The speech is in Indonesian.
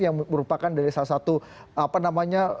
yang merupakan dari salah satu apa namanya